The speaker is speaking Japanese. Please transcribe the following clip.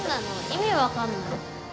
意味分かんない。